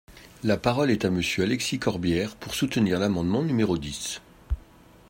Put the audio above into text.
La parole est à Monsieur Alexis Corbière, pour soutenir l’amendement numéro dix.